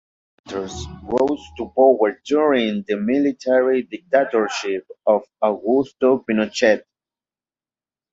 Walters rose to power during the military dictatorship of Augusto Pinochet.